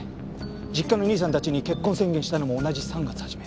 実家の兄さんたちに結婚宣言したのも同じ３月初め。